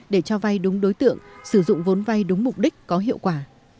để cho vay đúng đối tượng sử dụng vốn vay đúng mục đích có hiệu quả